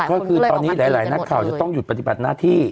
ก็คือตอนนี้หลายนักข่าวจะต้องหยุดปฏิบัติหน้าที่